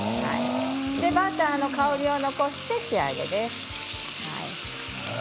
バターの香りを残して仕上げです。